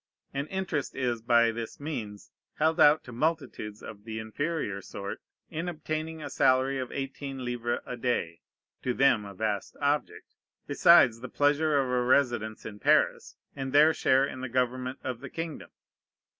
An interest is by this means held out to multitudes of the inferior sort, in obtaining a salary of eighteen livres a day, (to them a vast object,) besides the pleasure of a residence in Paris, and their share in the government of the kingdom.